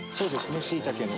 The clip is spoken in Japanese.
しいたけの。